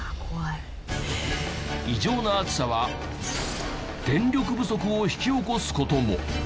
異常な暑さは電力不足を引き起こす事も。